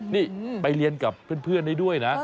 นี่ไปเรียนกับเพื่อนได้ด้วยนะ